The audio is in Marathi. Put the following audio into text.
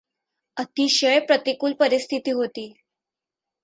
अतिशय प्रतिकूल परिस्थिती होती.